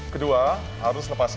kedua harus lepas